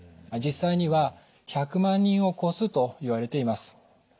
実際には１００万人を超すといわれています。